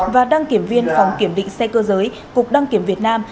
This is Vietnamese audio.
và đăng kiểm viên phòng kiểm định xe cơ giới cục đăng kiểm việt nam